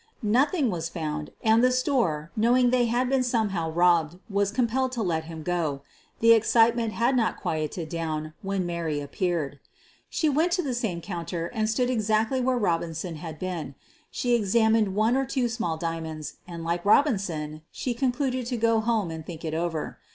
Nothing was found and the store, knowing they had been somehow robbed, were compelled to let him go. The excitement had not quieted down when Mary appeared. She went to the same counter and stood exactly where Robinson had been. She examined one or two small diamonds and, like Robinson, she con eluded to go home and think it over.